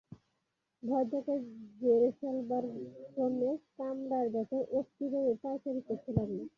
ভয়টাকে ঝেড়ে ফেলবার জন্যে কামরার ভেতর অস্থিরভাবে পায়চারি করতে লাগলাম।